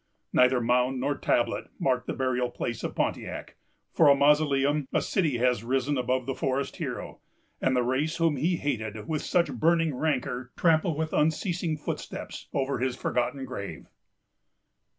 Neither mound nor tablet marked the burial place of Pontiac. For a mausoleum, a city has risen above the forest hero; and the race whom he hated with such burning rancor trample with unceasing footsteps over his forgotten grave.